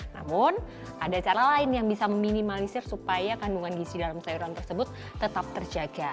namun ada cara lain yang bisa meminimalisir supaya kandungan gizi dalam sayuran tersebut tetap terjaga